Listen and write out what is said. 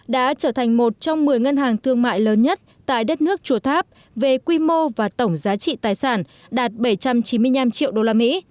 đã trở thành một trong một mươi ngân hàng thương mại lớn nhất tại đất nước chùa tháp về quy mô và tổng giá trị tài sản đạt bảy trăm chín mươi năm triệu đô la mỹ